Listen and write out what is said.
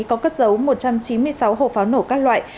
có cất giấu một trăm chín mươi sáu hộp pháo nổ các loại